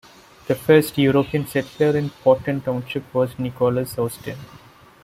The first European settler in Potton township was Nicholas Austin.